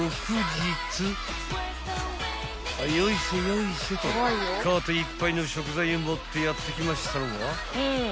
［よいせよいせとカートいっぱいの食材を持ってやって来ましたのは］